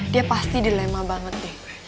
dia pasti dilema banget deh